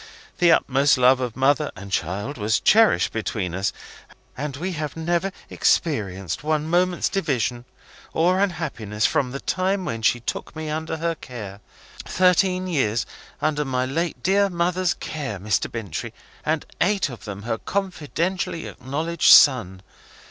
The utmost love of mother and child was cherished between us, and we never experienced one moment's division or unhappiness from the time when she took me under her care. Thirteen years in all! Thirteen years under my late dear mother's care, Mr. Bintrey, and eight of them her confidentially acknowledged son!